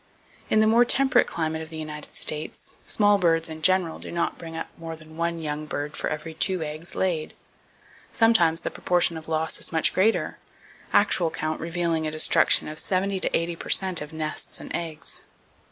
In the more temperate climate of the United States small birds, in general, do not bring up more than one young bird for every two eggs laid. Sometimes the proportion of loss is much greater, actual [Page 229] count revealing a destruction of 70 to 80 per cent of nests and eggs.